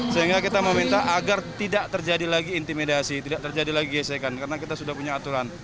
sehingga kita meminta agar tidak terjadi lagi intimidasi tidak terjadi lagi gesekan karena kita sudah punya aturan